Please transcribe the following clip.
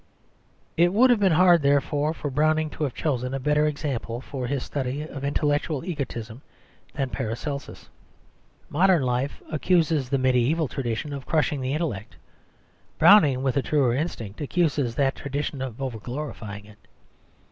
It would have been hard, therefore, for Browning to have chosen a better example for his study of intellectual egotism than Paracelsus. Modern life accuses the mediæval tradition of crushing the intellect; Browning, with a truer instinct, accuses that tradition of over glorifying it.